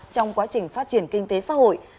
trong quá trình phát triển kinh tế xã hội